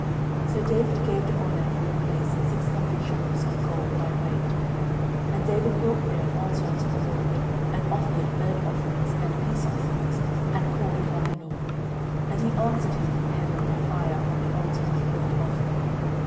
13:021:025 So David gave to Ornan for the place six hundred shekels of gold by weight. 13:021:026 And David built there an altar unto the LORD, and offered burnt offerings and peace offerings, and called upon the LORD; and he answered him from heaven by fire upon the altar of burnt offering.